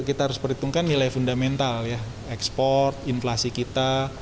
kita harus perhitungkan nilai fundamental ya ekspor inflasi kita